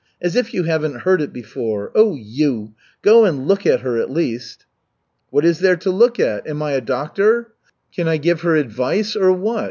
As if you haven't heard it before. Oh, you! Go and look at her at least." "What is there to look at? Am I a doctor? Can I give her advice, or what?